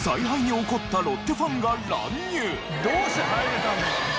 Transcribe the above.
どうして入れたんだ？